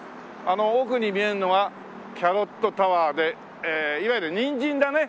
あの奥に見えるのはキャロットタワーでいわゆるニンジンだね。